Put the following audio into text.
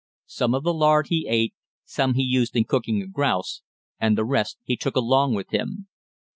Some of the lard he ate, some he used in cooking a grouse, and the rest he took along with him.